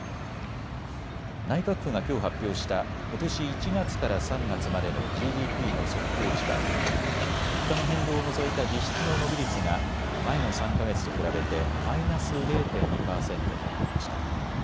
内閣府がきょう発表したことし１月から３月までのＧＤＰの速報値は物価の変動を除いた実質の伸び率が前の３か月と比べてマイナス０．２％となりました。